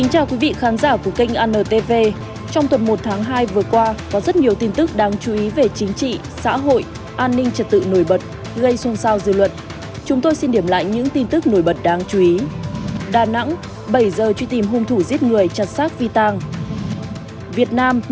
hãy đăng ký kênh để ủng hộ kênh của chúng mình nhé